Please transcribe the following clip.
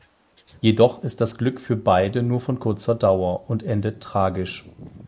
Jedoch ist das Glück für beide nur von kurzer Dauer und endet tragisch.